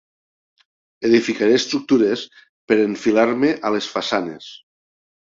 Edificaré estructures per enfilar-me a les façanes.